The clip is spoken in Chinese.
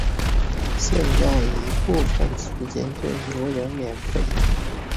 现在已部分时间对游人免费。